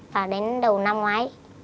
và đến đầu năm ngoái